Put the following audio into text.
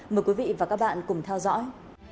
mời quý vị và các bạn cùng theo dõi